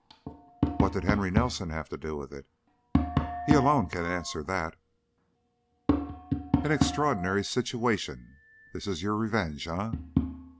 "What did Henry Nelson have to do with it?" "He alone can answer that." "An extraordinary situation! This is your revenge, eh?"